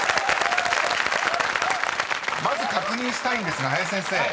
［まず確認したいんですが林先生］